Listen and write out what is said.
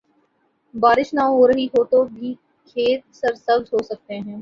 بارش نہ ہو رہی ہو تو بھی کھیت سرسبز ہو سکتے ہیں۔